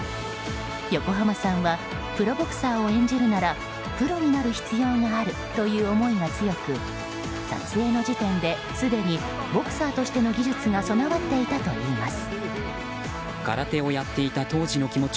横浜さんはプロボクサーを演じるならプロになる必要があるという思いが強く撮影の時点ですでにボクサーとしての技術が備わっていたといいます。